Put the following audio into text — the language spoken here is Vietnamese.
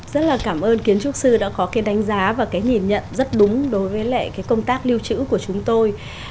rất là cảm ơn kiến trúc sư đã có cái đánh giá và cái nhìn nhận rất đúng đối với lại cái công tác lưu trữ của chúng tôi